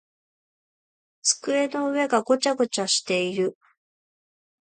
机の上がごちゃごちゃしている。